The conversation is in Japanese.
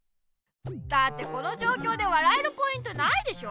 だってこのじょうきょうで笑えるポイントないでしょ！